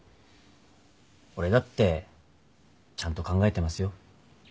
俺だってちゃんと考えてますよ。